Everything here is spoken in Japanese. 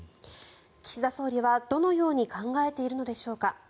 岸田総理はどのように考えているのでしょうか。